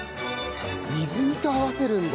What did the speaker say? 水煮と合わせるんだ。